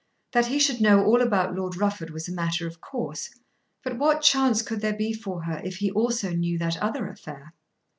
That he should know all about Lord Rufford was a matter of course; but what chance could there be for her if he also knew that other affair?